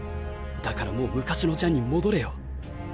だからもう昔のジャンに戻れよ。